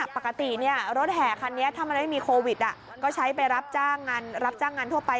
ปกติรถแห่คันนี้ถ้ามันไม่มีโควิดก็ใช้ไปรับจ้างรับจ้างงานทั่วไป